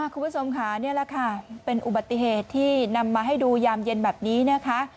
คุณผู้ชมค่ะนี่แหละค่ะเป็นอุบัติเหตุที่นำมาให้ดูยามเย็นแบบนี้นะคะ